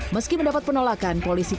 meski mendapat penolakan polisi